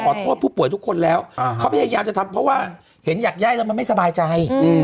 โทษผู้ป่วยทุกคนแล้วเขาพยายามจะทำเพราะว่าเห็นอยากไย่แล้วมันไม่สบายใจ